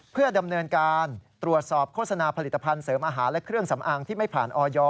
เพื่อดำเนินการตรวจสอบโฆษณาผลิตภัณฑ์เสริมอาหารและเครื่องสำอางที่ไม่ผ่านออย